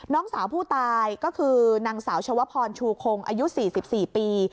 น้องสาวผู้ตายก็คือนางสาวชวพรชูคงอายุ๔๔ปี